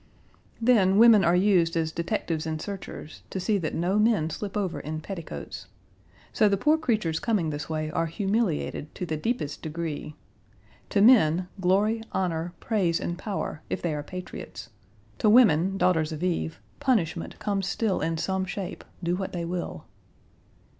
Then women are used as detectives and searchers, to see that no men slip over in petticoats. So the poor creatures coming this way are humiliated to the deepest degree. To men, glory, honor, praise, and power, if they are patriots. To women, daughters of Eve, punishment comes still in some shape, do what they will.